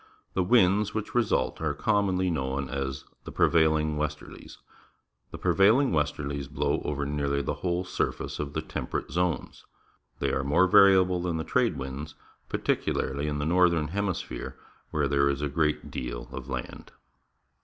The winds which result are commonly known as the Rnevailing Westerlies. The prevailing westerlies blow over nearly the whole surface of the Temperate Zones. They are more variable than the trade winds, particularly in the northern hemi sphere, where there is a great deal of land.